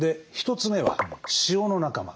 ３つ目は酒の仲間。